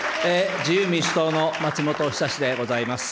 自由民主党の松本尚でございます。